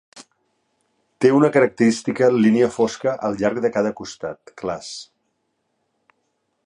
Té una característica línia fosca al llarg de cada costat, clars.